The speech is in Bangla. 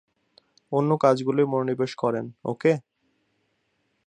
অন্য কাজগুলোয় মনোনিবেশ করেন, ওকে?